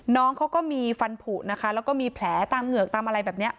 น้องเขาก็มีฟันผูนะคะแล้วก็มีแผลตามเหงือกตามอะไรแบบนี้